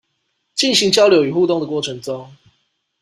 進行交流與互動的過程中